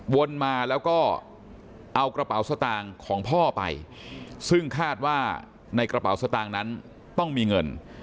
วนมาแล้วก็เอากระเป๋าสตางค์ของพ่อไปซึ่งคาดว่าในกระเป๋าสตางค์นั้นต้องมีเงิน